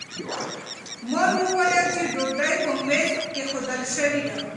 مور مې وویل چې ډوډۍ په مېز ایښودل شوې ده.